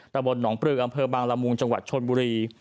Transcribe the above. ตะบนหนองปลืออำเภอบางละมุงจังหวัดชนบุรี